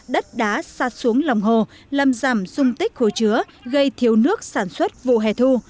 đất đá xa xuống lòng hồ làm giảm dung tích khối chứa gây thiếu nước sản xuất vụ hệ thu